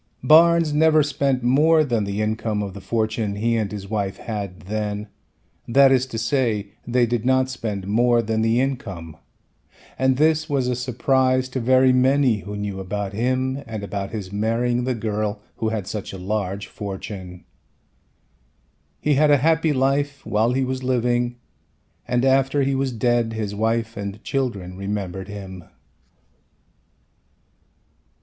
Barnes never spent more than the income of the fortune he and his wife had then, that is to say they did not spend more than the income and this was a surprise to very many who knew about him and about his marrying the girl who had such a large fortune. He had a happy life while he was living and after he was dead his wife and children remembered him.